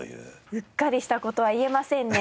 うっかりした事は言えませんね。